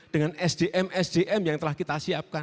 dengan sdm sdm yang telah kita siapkan